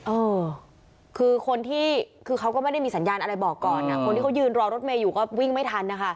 เออคือคนที่คือเขาก็ไม่ได้มีสัญญาณอะไรบอกก่อนคนที่เขายืนรอรถเมย์อยู่ก็วิ่งไม่ทันนะคะ